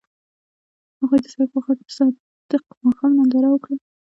هغوی د سړک پر غاړه د صادق ماښام ننداره وکړه.